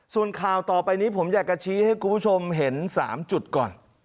ส่วนข่าวต่อไปนี้ผมอยากจะชี้ให้คุณผู้ชมเห็น๓จุดก่อน